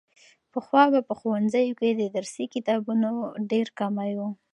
پخوا به په ښوونځیو کې د درسي کتابونو ډېر کمی و.